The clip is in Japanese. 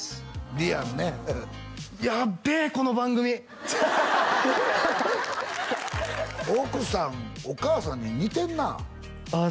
リアンねやっべえこの番組ハハハ奥さんお母さんに似てんなああ